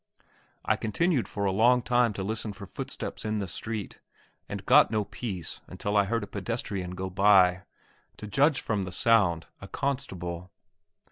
I continued for a long time to listen for footsteps in the street, and got no peace until I heard a pedestrian go by to judge from the sound, a constable.